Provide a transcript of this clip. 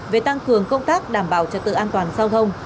về tăng cường công tác đảm bảo trật tự an toàn giao thông